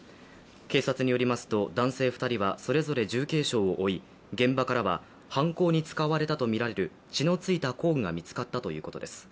警察によりますと男性２人はそれぞれ重軽傷を負い現場からは犯行に使われたとみられる血のついた工具が見つかったということです。